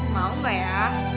mau gak ya